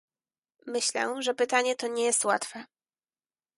Myślę, że pytanie to nie jest łatwe